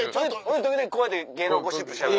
時々こうやって芸能ゴシップしゃべる。